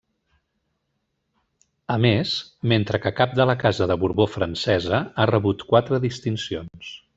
A més, mentre que Cap de la Casa de Borbó francesa, ha rebut quatre distincions.